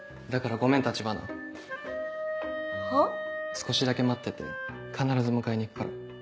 少しだけ待ってて必ず迎えに行くから。